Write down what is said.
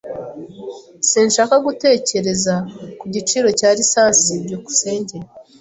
Sinshaka gutekereza ku giciro cya lisansi. byukusenge